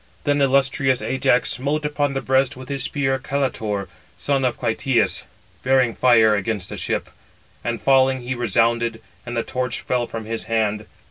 Then illustrious Ajax smote upon the breast with his spear Caletor, son of Clytius, bearing fire against the ship; and falling, he resounded, and the torch fell from his hand.